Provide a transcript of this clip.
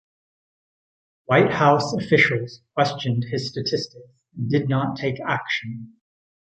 White House officials questioned his statistics and did not take action.